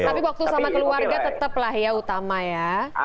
tapi waktu sama keluarga tetap lah ya utama ya